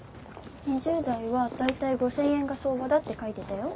２０代は大体５，０００円が相場だって書いてたよ。